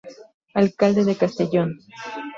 Alcalde de Castellón.